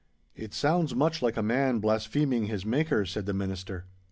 'It sounds much like a man blaspheming his Maker,' said the Minister.